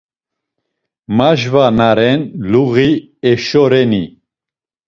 Majva na ren, luği eşo reni?